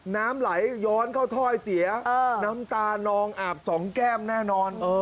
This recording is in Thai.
น้ำไหลย้อนเข้าถ้อยเสียน้ำตานองอาบสองแก้มแน่นอน